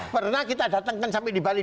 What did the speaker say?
pernah kita datangkan sampai di bali